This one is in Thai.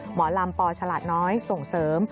หมอลำปฉลาดน้อยส่งเสริม